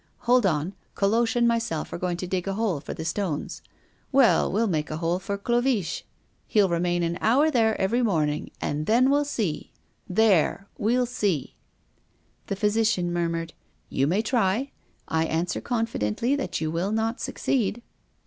Hold on! Coloche and myself are going to dig a hole for the stones well, we'll make a hole for Cloviche; he'll remain an hour there every morning, and then we'll see there! we'll see." The physician murmured: "You may try. I answer confidently that you will not succeed."